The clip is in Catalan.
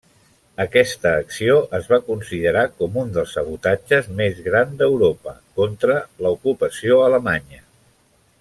Aquesta acció es va considerar com un dels sabotatges més gran d'Europa, contra l'ocupació alemanya.